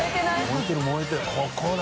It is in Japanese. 燃えてる燃えてるここだ。